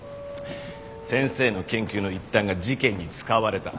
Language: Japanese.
先生の研究の一端が事件に使われた。